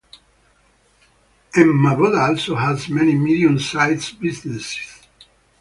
Emmaboda also has many medium-sized businesses.